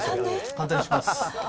簡単にします。